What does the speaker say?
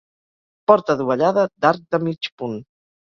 Porta dovellada d'arc de mig punt.